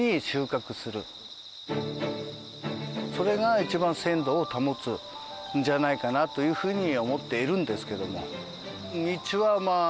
それが一番鮮度を保つんじゃないかなというふうに思っているんですけども。